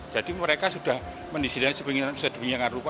jadi mereka sudah mendisidasi penggunaan disabilitas yang tidak lupa